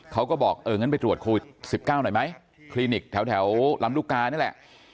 เขาก็บอกเอองั้นไปตรวจโควิดสิบเก้าหน่อยไหมคลินิกแถวแถวลำรุกานั่นแหละ